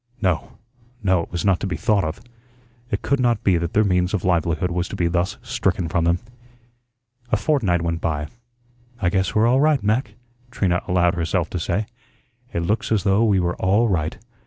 No, no, it was not to be thought of. It could not be that their means of livelihood was to be thus stricken from them. A fortnight went by. "I guess we're all right, Mac," Trina allowed herself to say. "It looks as though we were all right.